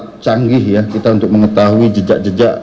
sangat canggih ya kita untuk mengetahui jejak jejak